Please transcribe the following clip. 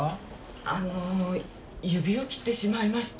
あの指を切ってしまいまして。